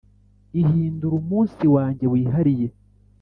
ihindura umunsi wanjye wihariye.